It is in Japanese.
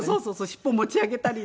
尻尾持ち上げたりね。